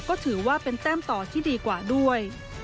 ก็ถือว่าเป็นแต้มต่อที่ดีกว่าด้วย